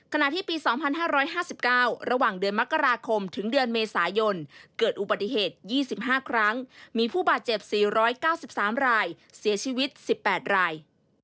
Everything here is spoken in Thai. ขณะที่ปี๒๕๕๙ระหว่างเดือนมกราคมถึงเดือนเมษายนเกิดอุบัติเหตุ๒๕ครั้งมีผู้บาดเจ็บ๔๙๓รายเสียชีวิต๑๘ราย